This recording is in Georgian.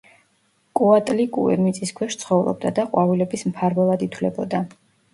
კოატლიკუე მიწის ქვეშ ცხოვრობდა და ყვავილების მფარველად ითვლებოდა.